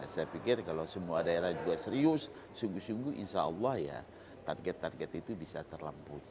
saya pikir kalau semua daerah juga serius sungguh sungguh insya allah ya target target itu bisa terlampung